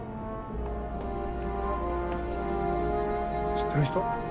知ってる人？